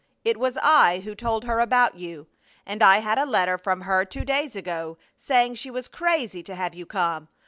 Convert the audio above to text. It was I who told her about you. And I had a letter from her two days ago, saying she was crazy to have you come.